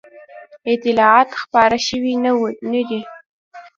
اطلاعات خپاره شوي نه دي.